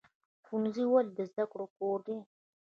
ښوونځی ولې د زده کړې کور دی؟